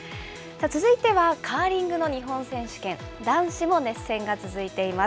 続いてはカーリングの日本選手権、男子も熱戦が続いています。